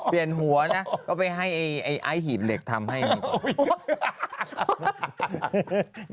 หัวนะก็ไปให้ไอ้หีบเหล็กทำให้ดีกว่า